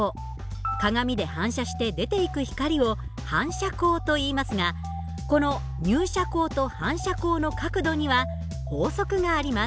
鏡で反射して出ていく光を反射光といいますがこの入射光と反射光の角度には法則があります。